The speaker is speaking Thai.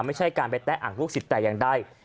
ไม่ใช่การไปแตะอังลูกศิษย์แต่อย่างใด